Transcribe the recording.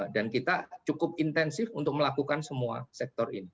dan kita cukup intensif untuk melakukan semua sektor ini